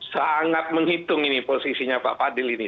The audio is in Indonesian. sangat menghitung ini posisinya pak fadil ini